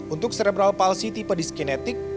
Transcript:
untuk serebral palsi tipe diskinetik